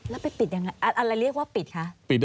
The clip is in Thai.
แล้วไปปิดยังไงอะไรเรียกว่าปิดคะ